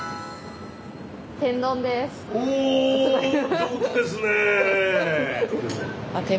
上手ですね。